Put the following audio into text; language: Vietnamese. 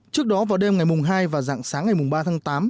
trước đó vào đêm ngày mùng hai và dạng sáng ngày mùng ba tháng tám